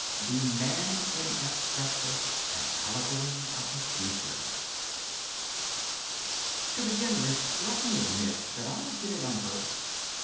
The Man in Asbestos: An Allegory of the Future To begin with let me admit that I did it on purpose.